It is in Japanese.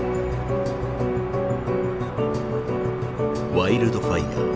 ワイルドファイア。